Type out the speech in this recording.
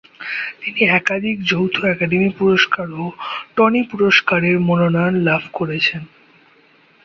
তিনি একাধিক যৌথ একাডেমি পুরস্কার ও টনি পুরস্কারের মনোনয়ন লাভ করেছেন।